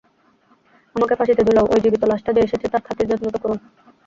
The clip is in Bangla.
আমাকে ফাঁসিতে ঝুলাও ঔই জীবিত লাশটা যে এসেছে তার খাতির যত্ন তো করুন।